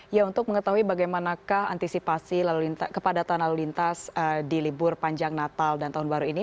ya untuk mengetahui bagaimanakah antisipasi kepadatan lalu lintas di libur panjang natal dan tahun baru ini